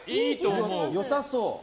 良さそう。